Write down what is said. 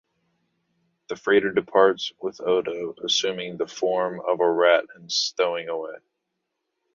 The freighter departs with Odo assuming the form of a rat and stowing away.